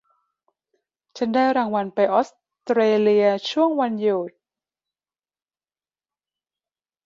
ฉันได้รางวัลไปออสเตรเลียช่วงวันหยุด